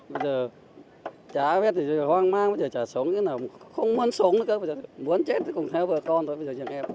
bây giờ chả biết hoang mang chả sống thế nào không muốn sống nữa muốn chết cũng theo vợ con thôi